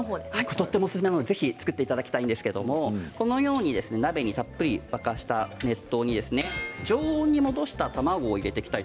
とてもおすすめなのでぜひ作っていただきたいんですけれども鍋にたっぷり沸かした熱湯に常温に戻した卵を入れていきたい